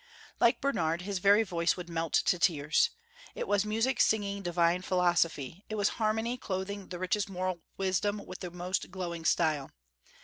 Like Bernard, his very voice would melt to tears. It was music singing divine philosophy; it was harmony clothing the richest moral wisdom with the most glowing style.